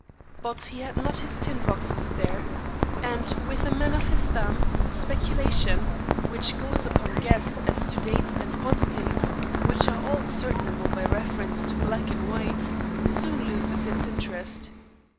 But he had not his tin boxes there; and, with a man of his stamp, speculation, which goes upon guess as to dates and quantities, which are all ascertainable by reference to black and white, soon loses its interest.